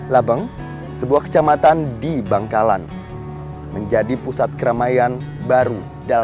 labang sebuah kecamatan di bangkalan menjadi pusat keramaian baru